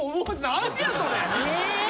何やそれ？